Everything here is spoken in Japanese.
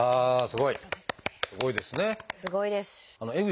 すごいですね。